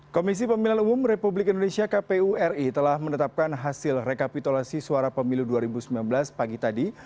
komisi pemilihan umum republik indonesia kpu ri telah menetapkan hasil rekapitulasi suara pemilu dua ribu sembilan belas pagi tadi